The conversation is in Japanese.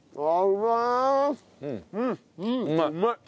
うまい。